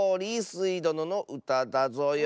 スイどののうただぞよ。